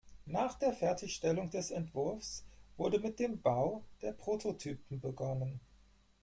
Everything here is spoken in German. Nach der Fertigstellung des Entwurfs wurde mit dem Bau der Prototypen begonnen.